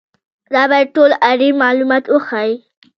دا باید ټول اړین معلومات وښيي.